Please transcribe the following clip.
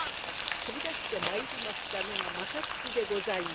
飛び出してまいりましたのが政吉でございます。